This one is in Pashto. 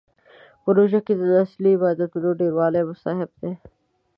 په روژه کې د نفلي عباداتو ډیروالی مستحب دی